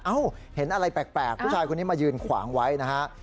เห็นอะไรแปลกผู้ชายคนนี้มายืนขวางไว้นะฮะ